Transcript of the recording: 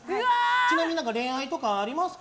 ちなみに恋愛とかありますか？